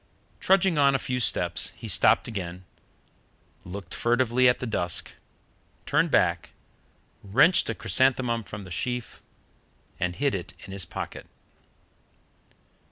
Trudging on a few steps, he stopped again, looked furtively at the dusk, turned back, wrenched a chrysanthemum from the sheaf, and hid it in his pocket.